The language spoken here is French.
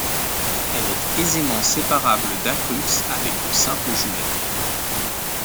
Elle est aisément séparable d'Acrux avec de simples jumelles.